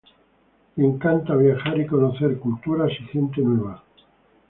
Le encanta viajar y conocer culturas y gente nueva.